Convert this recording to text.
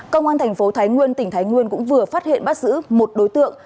cơ quan thành phố thái nguyên tỉnh thái nguyên cũng vừa phát hiện bắt giữ một đối tượng